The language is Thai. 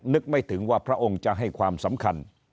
นึกไม่ถึงว่าพระองค์จะให้ความสำคัญ